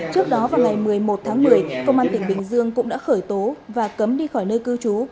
trước đó vào ngày một mươi một tháng một mươi công an tỉnh bình dương cũng đã khởi tố và cấm đi khỏi nơi cư trú